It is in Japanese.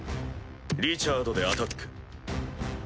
リチャードでアタック。